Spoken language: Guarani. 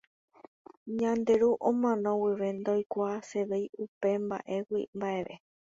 Ñande ru omano guive ndoikuaasevéi upemba'égui mba'eve.